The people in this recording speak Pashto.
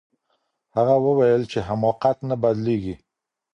هغه وویل چي حماقت نه بدلیږي.